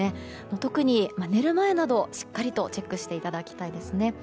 特に寝る前などしっかりとチェックしていただきたいですね。